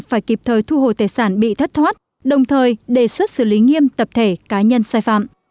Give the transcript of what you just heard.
phải kịp thời thu hồi tài sản bị thất thoát đồng thời đề xuất xử lý nghiêm tập thể cá nhân sai phạm